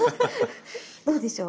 どうでしょう？